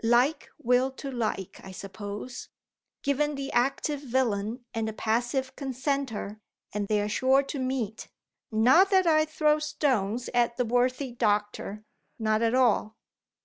Like will to like, I suppose. Given the active villain and the passive consenter, and they are sure to meet. Not that I throw stones at the worthy doctor. Not at all."